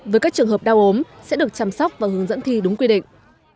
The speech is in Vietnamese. với các trường hợp đau ốm sẽ được chăm sóc và hướng dẫn thi đúng quy định